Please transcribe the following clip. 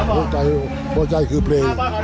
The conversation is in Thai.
หัวใจคือเพลง